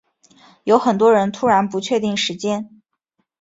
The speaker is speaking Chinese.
有很多人突然不确定时间